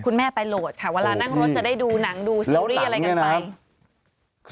คุณแม่ไปโหลดค่ะเวลานั่งรถจะได้ดูหนังดูซีรีส์อะไรกันไป